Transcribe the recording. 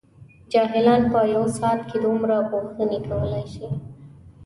جاهلان په یوه ساعت کې دومره پوښتنې کولای شي.